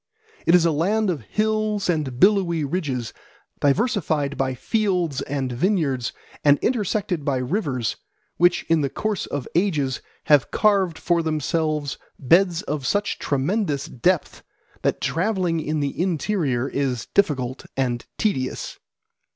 It is a land of hills and billowy ridges, diversified by fields and vineyards and intersected by rivers, which in the course of ages have carved for themselves beds of such tremendous depth that travelling in the interior is difficult and tedious.